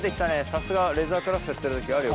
さすがはレザークラフトやってるだけあるよ。